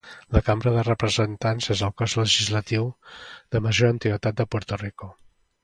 La Cambra de Representants és el cos legislatiu de major antiguitat de Puerto Rico.